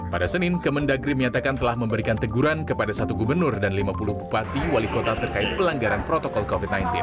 pada senin kemendagri menyatakan telah memberikan teguran kepada satu gubernur dan lima puluh bupati wali kota terkait pelanggaran protokol covid sembilan belas